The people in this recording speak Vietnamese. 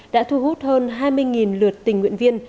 đã thu hút hơn hai mươi lượt tình nguyện viên